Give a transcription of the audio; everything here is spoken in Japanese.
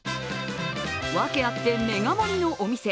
ワケあってメガ盛りのお店。